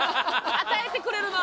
与えてくれるなあ。